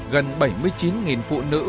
gần bảy mươi chín phụ nữ